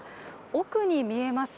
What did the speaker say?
奥に見えます